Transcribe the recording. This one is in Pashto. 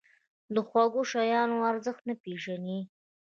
د خواږه شیانو ارزښت نه پېژني.